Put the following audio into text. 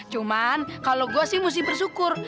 cuman kalo gua sih mesti bersyukur